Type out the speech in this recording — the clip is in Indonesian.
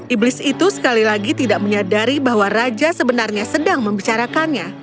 iblis itu sekali lagi tidak menyadari bahwa raja sebenarnya sedang membicarakannya